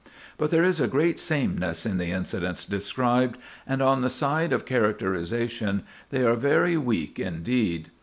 But there is a great sameness in the incidents described, and on the side of characterization they are very weak indeed.